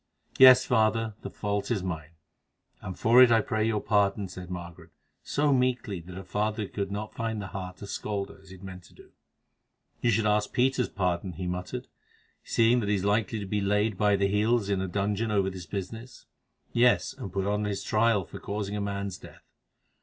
"Yes, father, the fault is mine, and for it I pray your pardon," said Margaret, so meekly that her father could not find the heart to scold her as he had meant to do. "You should ask Peter's pardon," he muttered, "seeing that he is like to be laid by the heels in a dungeon over this business, yes, and put upon his trial for causing the man's death.